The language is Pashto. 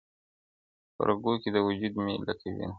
په رګو کي د وجود مي لکه وینه,